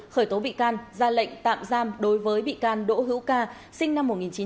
khởi tố bị can ra lệnh tạm giam đối với bị can đỗ hữu ca sinh năm một nghìn chín trăm tám mươi